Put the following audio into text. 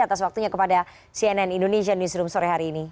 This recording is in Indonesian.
atas waktunya kepada cnn indonesia newsroom sore hari ini